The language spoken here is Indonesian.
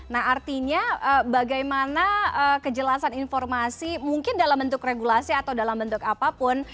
nah artinya bagaimana kejelasan informasi mungkin dalam bentuk regulasi atau dalam bentuk apapun